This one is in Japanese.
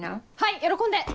喜んで！